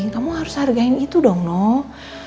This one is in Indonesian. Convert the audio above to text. kamu harus hargain itu dong noh